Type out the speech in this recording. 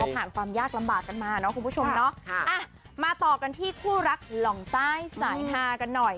ผ่านความยากลำบากกันมาเนอะคุณผู้ชมเนาะมาต่อกันที่คู่รักหล่องใต้สายฮากันหน่อย